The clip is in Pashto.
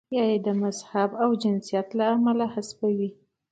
یا یې د مذهب او جنسیت له امله حذفوي.